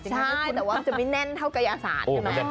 ใช่แต่ว่ามันจะไม่แน่นเท่ากายศาสตร์ใช่ไหม